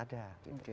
nah lima ratus ada